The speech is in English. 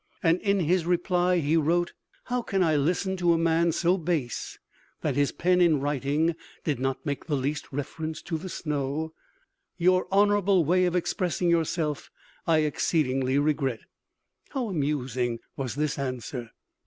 And in his reply he wrote: "How can I listen to a man so base that his pen in writing did not make the least reference to the snow! Your honorable way of expressing yourself I exceedingly regret." How amusing was this answer!